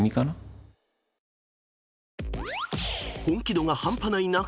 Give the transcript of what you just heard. ［本気度が半端ない